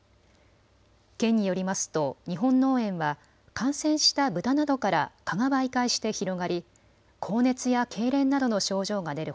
県によりますと日本脳炎は感染した豚などから蚊が媒介して広がり高熱やけいれんなどの症状が出る